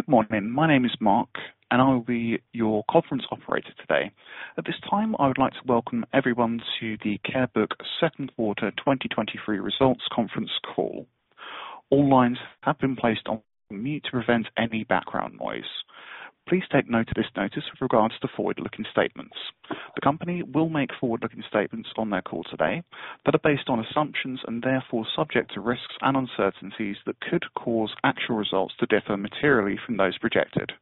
Good morning. My name is Mark, and I will be your conference operator today. At this time, I would like to welcome everyone to the Carebook Second Quarter 2023 Results Conference Call. All lines have been placed on mute to prevent any background noise. Please take note of this notice with regards to forward-looking statements. The company will make forward-looking statements on their call today that are based on assumptions and therefore subject to risks and uncertainties that could cause actual results to differ materially from those projected.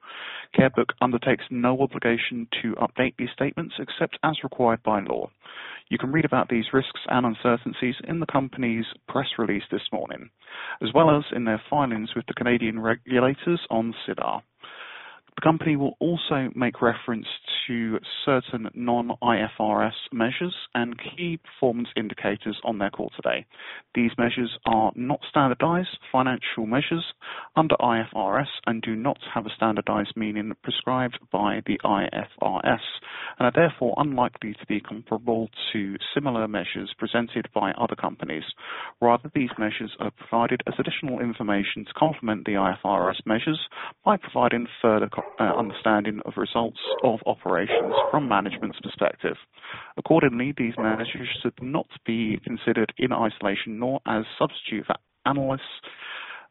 Carebook undertakes no obligation to update these statements except as required by law. You can read about these risks and uncertainties in the company's press release this morning, as well as in their filings with the Canadian regulators on SEDAR. The company will also make reference to certain non-IFRS measures and key performance indicators on their call today. These measures are not standardized financial measures under IFRS and do not have a standardized meaning prescribed by the IFRS, and are therefore unlikely to be comparable to similar measures presented by other companies. Rather, these measures are provided as additional information to complement the IFRS measures by providing further understanding of results of operations from management's perspective. Accordingly, these measures should not be considered in isolation, nor as substitute for analysts,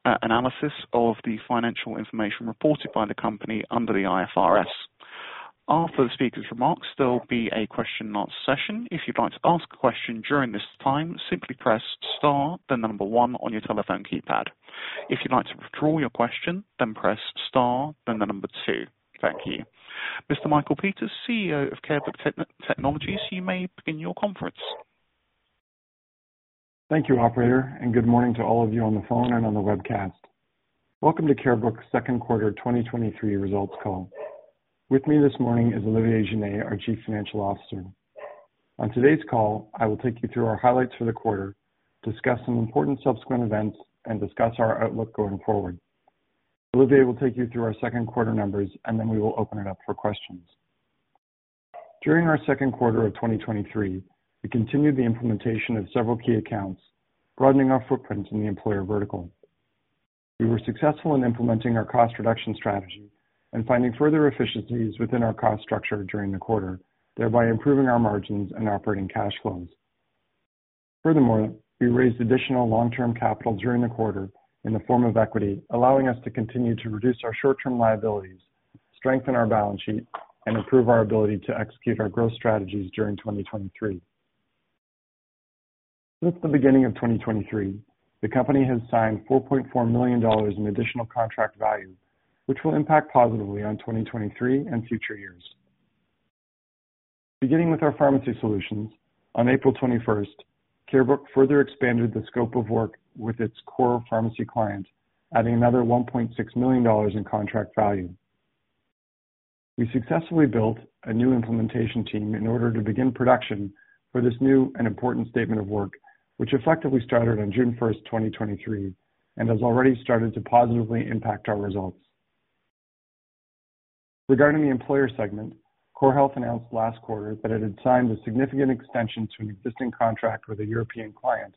analysis of the financial information reported by the company under the IFRS. After the speaker's remarks, there will be a question and answer session. If you'd like to ask a question during this time, simply press Star, then the number 1 on your telephone keypad. If you'd like to withdraw your question, then press Star, then the number 2. Thank you. Mr. Michael Peters, CEO of Carebook Technologies, you may begin your conference. Thank you, operator, good morning to all of you on the phone and on the webcast. Welcome to Carebook's second quarter 2023 results call. With me this morning is Olivier Giguere, our Chief Financial Officer. On today's call, I will take you through our highlights for the quarter, discuss some important subsequent events, and discuss our outlook going forward. Olivier will take you through our second quarter numbers, and then we will open it up for questions. During our second quarter of 2023, we continued the implementation of several key accounts, broadening our footprint in the employer vertical. We were successful in implementing our cost reduction strategy and finding further efficiencies within our cost structure during the quarter, thereby improving our margins and operating cash flows. Furthermore, we raised additional long-term capital during the quarter in the form of equity, allowing us to continue to reduce our short-term liabilities, strengthen our balance sheet, and improve our ability to execute our growth strategies during 2023. Since the beginning of 2023, the company has signed $4.4 million in additional contract value, which will impact positively on 2023 and future years. Beginning with our pharmacy solutions, on April 21st, Carebook further expanded the scope of work with its core pharmacy client, adding another $1.6 million in contract value. We successfully built a new implementation team in order to begin production for this new and important statement of work, which effectively started on June 1st, 2023, and has already started to positively impact our results. Regarding the employer segment, CoreHealth announced last quarter that it had signed a significant extension to an existing contract with a European client,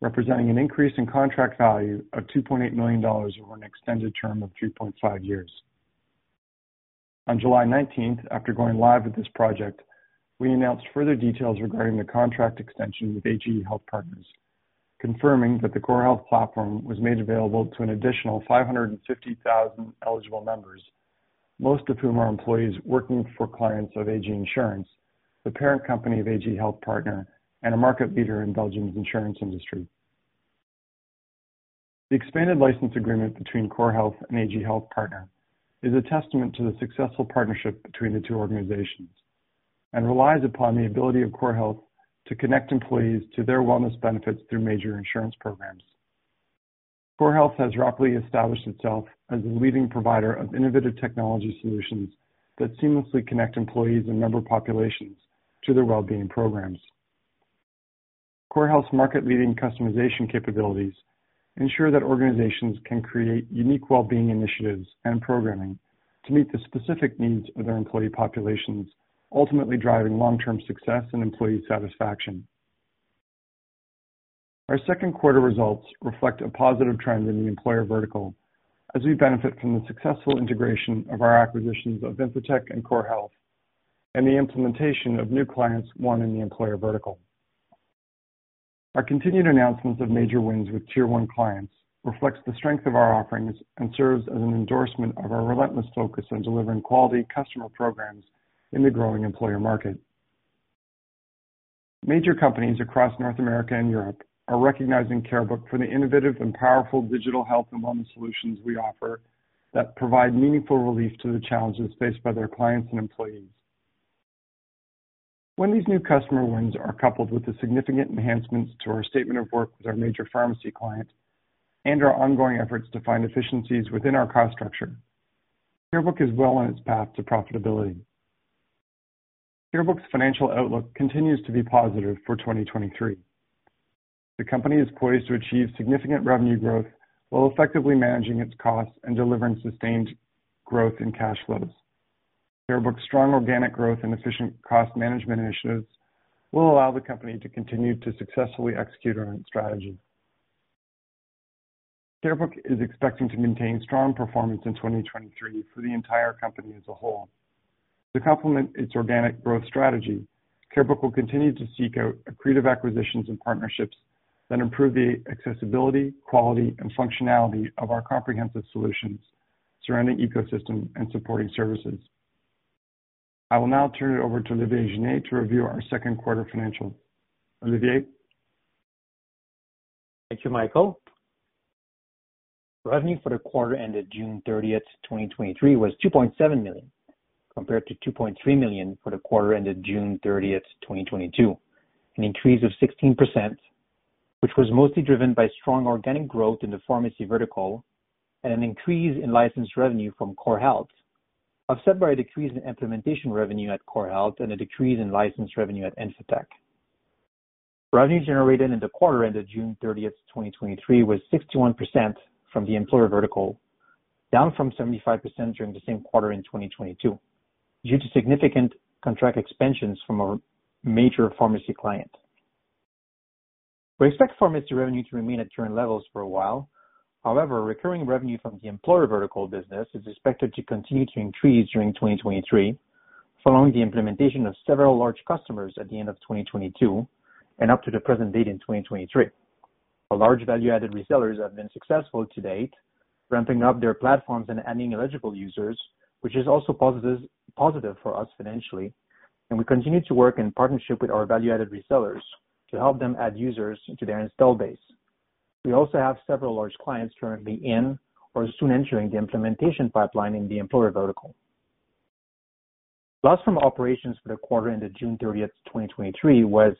representing an increase in contract value of 2.8 million dollars over an extended term of 2.5 years. On July 19th, after going live with this project, we announced further details regarding the contract extension with AG Health Partner, confirming that the CoreHealth platform was made available to an additional 550,000 eligible members, most of whom are employees working for clients of AG Insurance, the parent company of AG Health Partner and a market leader in Belgium's insurance industry. The expanded license agreement between CoreHealth and AG Health Partner is a testament to the successful partnership between the two organizations and relies upon the ability of CoreHealth to connect employees to their wellness benefits through major insurance programs. CoreHealth has rapidly established itself as a leading provider of innovative technology solutions that seamlessly connect employees and member populations to their well-being programs. CoreHealth's market-leading customization capabilities ensure that organizations can create unique well-being initiatives and programming to meet the specific needs of their employee populations, ultimately driving long-term success and employee satisfaction. Our second quarter results reflect a positive trend in the employer vertical as we benefit from the successful integration of our acquisitions of InfoTech and CoreHealth and the implementation of new clients, one in the employer vertical. Our continued announcements of major wins with tier one clients reflects the strength of our offerings and serves as an endorsement of our relentless focus on delivering quality customer programs in the growing employer market. Major companies across North America and Europe are recognizing Carebook for the innovative and powerful digital health and wellness solutions we offer that provide meaningful relief to the challenges faced by their clients and employees. When these new customer wins are coupled with the significant enhancements to our statement of work with our major pharmacy client and our ongoing efforts to find efficiencies within our cost structure, Carebook is well on its path to profitability. Carebook's financial outlook continues to be positive for 2023. The company is poised to achieve significant revenue growth while effectively managing its costs and delivering sustained growth in cash flows. Carebook's strong organic growth and efficient cost management initiatives will allow the company to continue to successfully execute on its strategy. Carebook is expecting to maintain strong performance in 2023 for the entire company as a whole. To complement its organic growth strategy, Carebook will continue to seek out accretive acquisitions and partnerships that improve the accessibility, quality, and functionality of our comprehensive solutions, surrounding ecosystem, and supporting services. I will now turn it over to Olivier Genet to review our second quarter financial. Olivier? Thank you, Michael. Revenue for the quarter ended June 30, 2023, was $2.7 million, compared to $2.3 million for the quarter ended June 30, 2022. Increase of 16%, which was mostly driven by strong organic growth in the pharmacy vertical and an increase in licensed revenue from CoreHealth, offset by a decrease in implementation revenue at CoreHealth and a decrease in licensed revenue at InfoTech. Revenue generated in the quarter ended June 30, 2023, was 61% from the employer vertical, down from 75% during the same quarter in 2022, due to significant contract expansions from our major pharmacy client. We expect pharmacy revenue to remain at current levels for a while. However, recurring revenue from the employer vertical business is expected to continue to increase during 2023, following the implementation of several large customers at the end of 2022 and up to the present date in 2023. Our large value-added resellers have been successful to date, ramping up their platforms and adding eligible users, which is also positive for us financially. We continue to work in partnership with our value-added resellers to help them add users into their install base. We also have several large clients currently in or soon entering the implementation pipeline in the employer vertical. Loss from operations for the quarter ended June 30th, 2023, was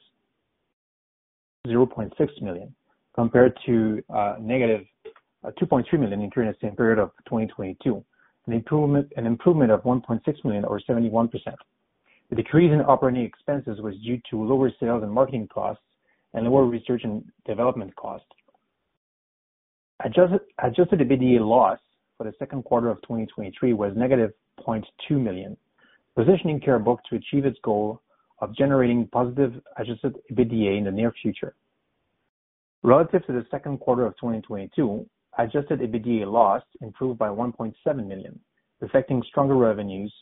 $0.6 million, compared to -$2.3 million during the same period of 2022, an improvement of $1.6 million or 71%. The decrease in operating expenses was due to lower sales and marketing costs and lower research and development costs. Adjusted EBITDA loss for the second quarter of 2023 was -$0.2 million, positioning Carebook to achieve its goal of generating positive adjusted EBITDA in the near future. Relative to the second quarter of 2022, adjusted EBITDA loss improved by $1.7 million, reflecting stronger revenues,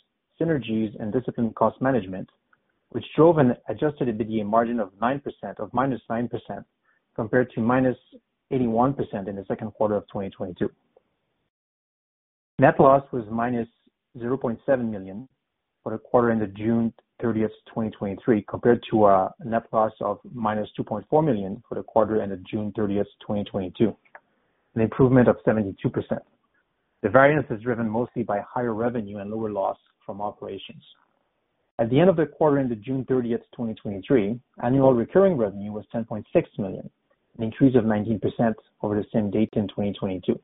synergies, and disciplined cost management, which drove an adjusted EBITDA margin of -9%, compared to -81% in the second quarter of 2022. Net loss was -$0.7 million for the quarter ended June 30th, 2023, compared to a net loss of -$2.4 million for the quarter ended June 30th, 2022, an improvement of 72%. The variance is driven mostly by higher revenue and lower loss from operations. At the end of the quarter ended June 30, 2023, annual recurring revenue was 10.6 million, an increase of 19% over the same date in 2022.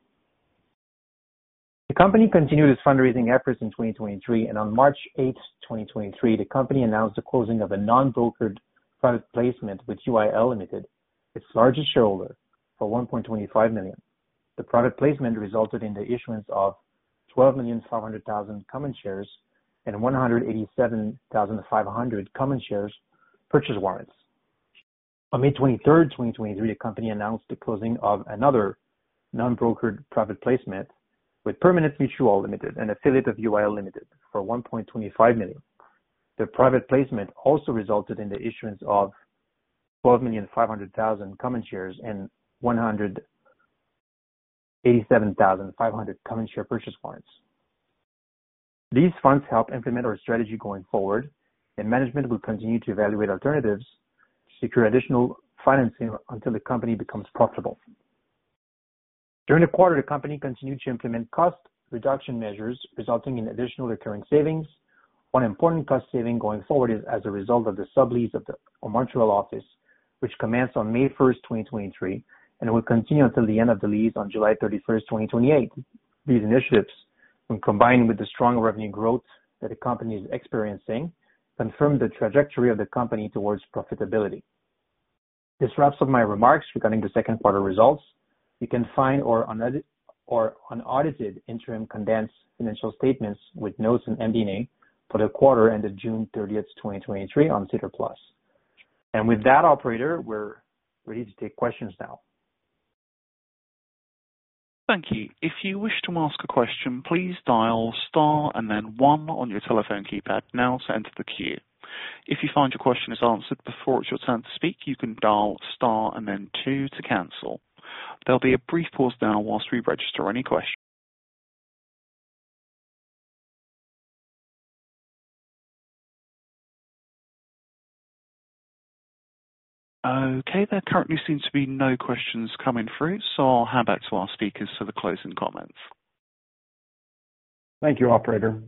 The company continued its fundraising efforts in 2023, and on March 8, 2023, the company announced the closing of a non-brokered private placement with UIL Limited, its largest shareholder, for 1.25 million. The private placement resulted in the issuance of 12,700,000 common shares and 187,500 common share purchase warrants. On May 23, 2023, the company announced the closing of another non-brokered private placement with Permanent Mutual Limited, an affiliate of UIL Limited, for 1.25 million. The private placement also resulted in the issuance of 12,500,000 common shares and 187,500 common share purchase warrants. These funds help implement our strategy going forward, and management will continue to evaluate alternatives to secure additional financing until the company becomes profitable. During the quarter, the company continued to implement cost reduction measures, resulting in additional recurring savings. One important cost saving going forward is as a result of the sublease of the Montreal office, which commenced on May 1, 2023, and will continue until the end of the lease on July 31, 2028. These initiatives, when combined with the strong revenue growth that the company is experiencing, confirm the trajectory of the company towards profitability. This wraps up my remarks regarding the second quarter results. You can find unaudited interim condensed financial statements with notes and MD&A for the quarter ended June 30th, 2023, on SEDAR+. With that, operator, we're ready to take questions now. Thank you. If you wish to ask a question, please dial star and then one on your telephone keypad now to enter the queue. If you find your question is answered before it's your turn to speak, you can dial star and then two to cancel. There'll be a brief pause now while we register any questions. Okay, there currently seems to be no questions coming through, so I'll hand back to our speakers for the closing comments. Thank you, operator.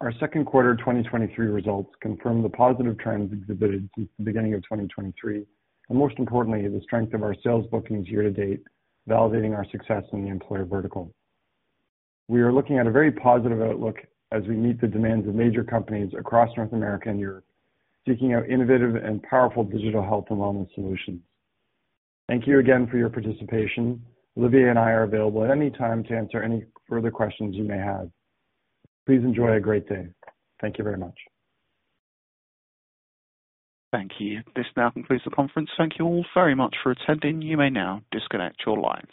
Our second quarter 2023 results confirm the positive trends exhibited since the beginning of 2023, and most importantly, the strength of our sales bookings year to date, validating our success in the employer vertical. We are looking at a very positive outlook as we meet the demands of major companies across North America and Europe, seeking out innovative and powerful digital health and wellness solutions. Thank you again for your participation. Olivier and I are available at any time to answer any further questions you may have. Please enjoy a great day. Thank you very much. Thank you. This now concludes the conference. Thank you all very much for attending. You may now disconnect your lines.